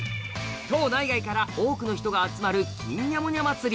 島内外から多くの人が集まるキンニャモニャ祭り